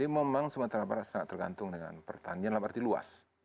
memang sumatera barat sangat tergantung dengan pertanian dalam arti luas